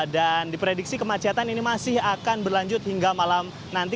dan diprediksi kemacetan ini masih akan berlanjut hingga malam nanti